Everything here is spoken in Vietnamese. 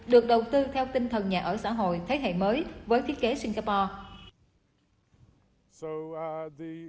được đầu tư theo tinh thần nhà ở xã hội thế hệ mới với thiết kế singapore